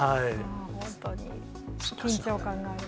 本当に緊張感がある。